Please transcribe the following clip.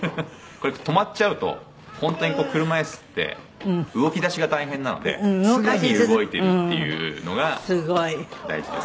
これ止まっちゃうと本当に車いすって動きだしが大変なので常に動いてるっていうのが大事ですね。